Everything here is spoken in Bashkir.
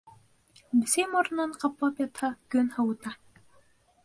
Бесәй моронон ҡаплап ятһа, көн һыуыта.